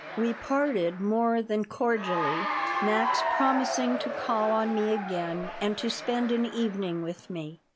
We parted more than cordially, Max promising to call on me again and to spend an evening with me.